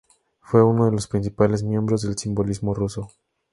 Fue uno de los principales miembros del simbolismo ruso.